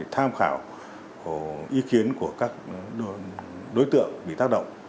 tham khảo ý kiến của các đối tượng bị tác động